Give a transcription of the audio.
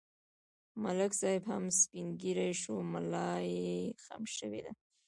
ملک صاحب هم سپین ږیری شو، ملایې خم شوې ده.